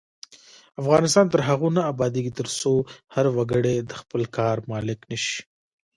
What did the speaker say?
افغانستان تر هغو نه ابادیږي، ترڅو هر وګړی د خپل کار مالک نشي.